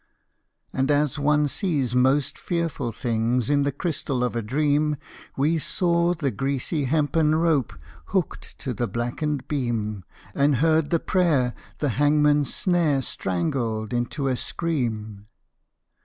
And as one sees most fearful things In the crystal of a dream, We saw the greasy hempen rope Hooked to the blackened beam, And heard the prayer the hangmanâs snare Strangled into a scream.